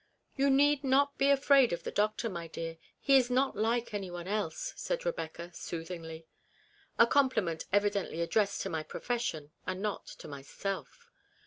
"You need not be afraid of the doctor, my 210 REBECCA'S REMORSE. dear ; he is not like any one else," said Rebecca, soothingly. A compliment evidently addressed to my profession, and not to myself.